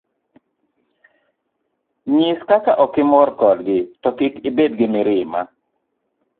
Nyis kaka okimor kodgi, to kik ibed gi mirima.